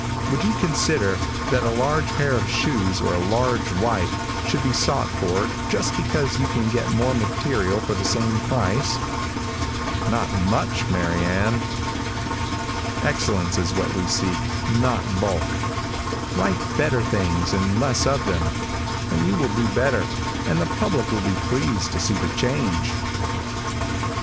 Would you consider that a large pair of shoes or a large wife should be sought for just because you can get more material for the same price? Not much, Mary Ann! Excellence is what we seek, not bulk. Write better things and less of them, and you will do better, and the public will be pleased to see the change.